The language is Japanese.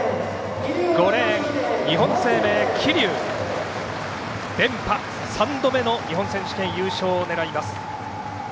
５レーン、桐生は連覇、３度目の日本選手権優勝を狙います。